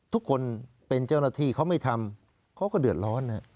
ทุกคนเป็นเจ้าหน้าที่เขาไม่ทำเขาก็เดือดร้อน